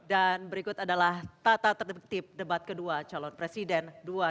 dan berikut adalah tata tertib debat kedua calon presiden dua ribu sembilan belas